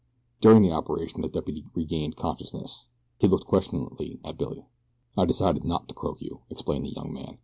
During the operation the deputy regained consciousness. He looked questioningly at Billy. "I decided not to croak you," explained the young man.